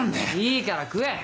いいから食え。